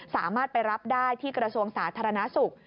สามารถไปรับได้ที่กระทรวงสาธารณสุข